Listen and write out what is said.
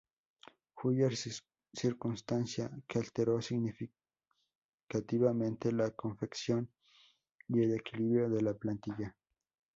Fuller, circunstancia que alteró significativamente la confección y el equilibrio de la plantilla.